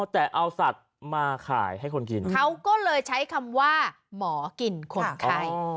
แต่เอาสัตว์มาขายให้คนกินเขาก็เลยใช้คำว่าหมอกินคนไข้